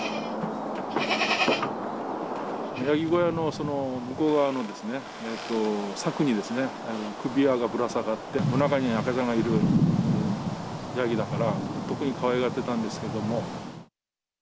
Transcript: ヤギ小屋の向こう側のですね、柵に首輪がぶら下がって、お腹に赤ちゃんがいるヤギだから、特にかわいがってたんですけれども。